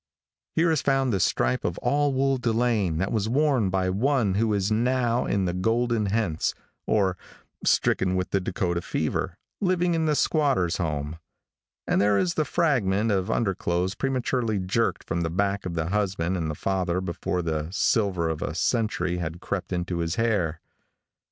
Here is found the stripe of all wool delaine that was worn by one who is now in the golden hence, or, stricken with the Dakota fever, living in the squatter's home; and there is the fragment of underclothes prematurely jerked from the back of the husband and father before the silver of a century had crept into his hair.